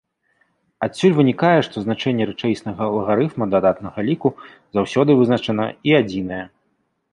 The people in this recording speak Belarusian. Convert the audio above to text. Адсюль вынікае, што значэнне рэчаіснага лагарыфма дадатнага ліку заўсёды вызначана і адзінае.